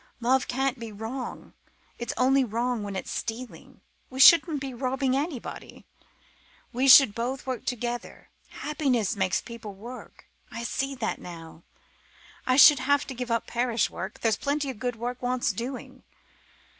Love can't be wrong. It's only wrong when it's stealing. We shouldn't be robbing anybody. We should both work better happiness makes people work I see that now. I should have to give up parish work but there's plenty of good work wants doing.